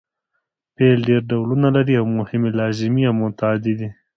فعل ډېر ډولونه لري او مهم یې لازمي او متعدي دي.